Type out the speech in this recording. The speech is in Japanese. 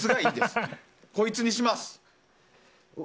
こいつにします。